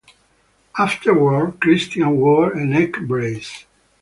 Afterward, Christian wore a neck brace.